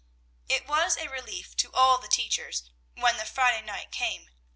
It was a relief to all the teachers when the Friday night came.